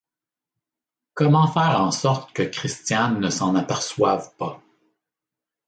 Comment faire en sorte que Christiane ne s’en aperçoive pas ?